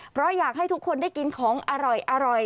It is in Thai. เพราะอยากให้ทุกคนได้กินของอร่อย